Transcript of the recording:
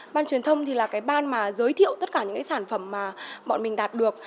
ban truyền thông thì là cái ban mà giới thiệu tất cả những cái sản phẩm mà bọn mình đạt được